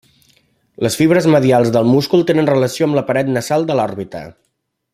Les fibres medials del múscul tenen relació amb la paret nasal de l'òrbita.